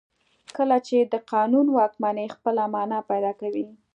کله چې د قانون واکمني خپله معنا پیدا کوي.